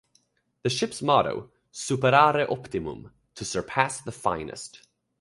The ship's motto, "Superare Optimum"; "To Surpass the Finest.